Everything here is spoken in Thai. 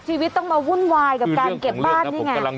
ชีวิตต้องมาวุ่นวายกับการเก็บบ้านนี่ไง